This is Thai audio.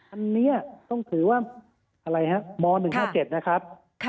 อันนี้ต้องถือว่าอะไรฮะม๑๕๗นะครับ